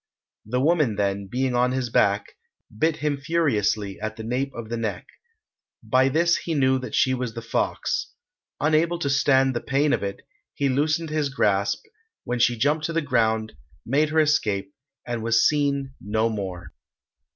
The woman, then, being on his back, bit him furiously at the nape of the neck. By this he knew that she was the fox. Unable to stand the pain of it, he loosened his grasp, when she jumped to the ground, made her escape and was seen no more.